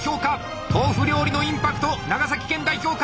豆腐料理のインパクト長崎県代表か！